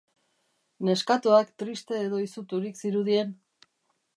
Neskatoak triste edo izuturik zirudien?